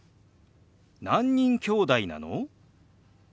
「何人きょうだいなの？」。